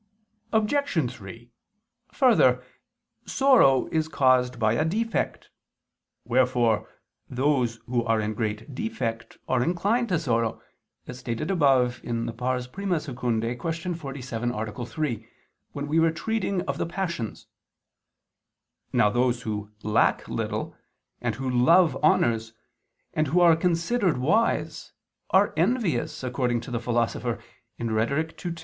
Obj. 3: Further, sorrow is caused by a defect, wherefore those who are in great defect are inclined to sorrow, as stated above (I II, Q. 47, A. 3) when we were treating of the passions. Now those who lack little, and who love honors, and who are considered wise, are envious, according to the Philosopher (Rhet. ii, 10).